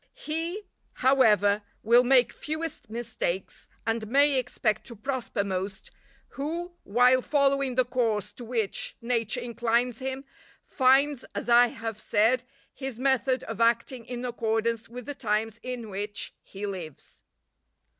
He, however, will make fewest mistakes, and may expect to prosper most, who, while following the course to which nature inclines him, finds, as I have said, his method of acting in accordance with the times in which he lives.